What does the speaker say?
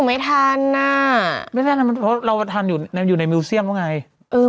ไม่ทันเพราะว่าเราทันอยู่ในมิวเซียมว่ะไง